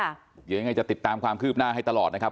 เราอย่างง่ายจะติดตามความคืบหน้าให้ตลอดนะครับ